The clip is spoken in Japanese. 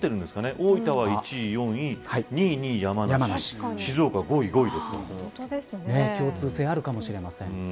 大分は１位、４位２位２位、山梨共通性があるかもしれません。